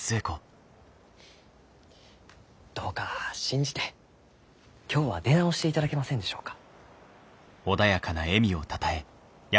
どうか信じて今日は出直していただけませんでしょうか？